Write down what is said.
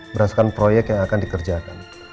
berdasarkan proyek yang akan dikerjakan